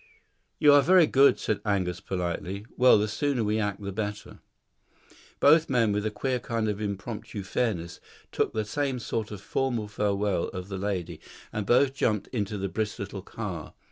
"You are very good," said Angus politely. "Well, the sooner we act the better." Both men, with a queer kind of impromptu fairness, took the same sort of formal farewell of the lady, and both jumped into the brisk little car.